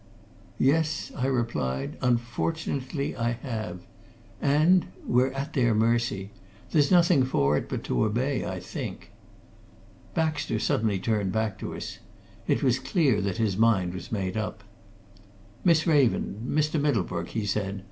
"Yes," I replied. "Unfortunately, I have. And we're at their mercy. There's nothing for it but to obey, I think." Baxter suddenly turned back to us. It was clear that his mind was made up. "Miss Raven Mr. Middlebrook," he said.